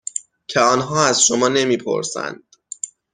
که آنها از شما نمی پرسند.